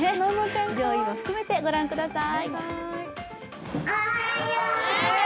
上位を含めて御覧ください。